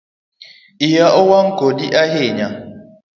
Iya owang kodi ahinya